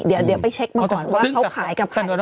เดี๋ยวไปเช็คมาก่อนว่าเขาขายกับใคร